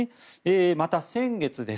また、先月です。